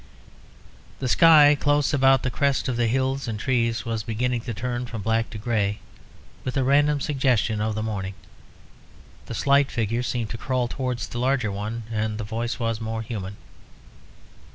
The sky close about the crests of the hills and trees was beginning to turn from black to grey, with a random suggestion of the morning. The slight figure seemed to crawl towards the larger one, and the voice was more human.